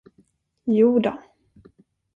Jo då.